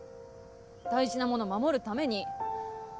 大事なもの守るために。